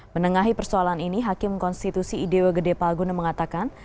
menengahi persoalan ini hakim konstitusi idwgd palguno mengatakan